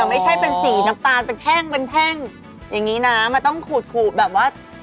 ไม่ใช่เป็นสีน้ำตาลเป็นแท่งเป็นแท่งอย่างนี้นะมันต้องขูดขูดแบบว่า